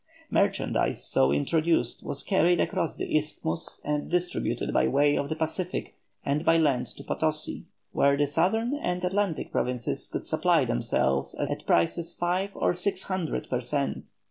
Merchandise so introduced, was carried across the isthmus and distributed by way of the Pacific and by land to Potosi, where the Southern and Atlantic Provinces could supply themselves at prices five or six hundred per cent.